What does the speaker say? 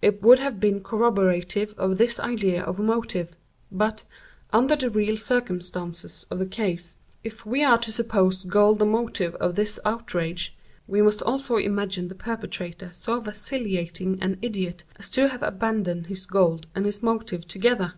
It would have been corroborative of this idea of motive. But, under the real circumstances of the case, if we are to suppose gold the motive of this outrage, we must also imagine the perpetrator so vacillating an idiot as to have abandoned his gold and his motive together.